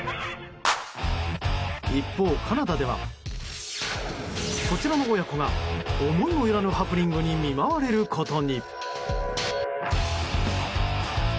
一方、カナダではこちらの親子が思いもよらぬハプニングに見舞われることに。